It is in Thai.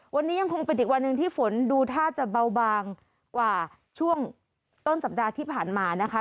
วันนี้ยังคงเป็นอีกวันหนึ่งที่ฝนดูท่าจะเบาบางกว่าช่วงต้นสัปดาห์ที่ผ่านมานะคะ